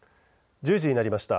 １０時になりました。